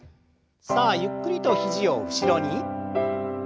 さあゆっくりと肘を後ろに。